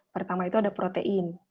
pertama itu ada protein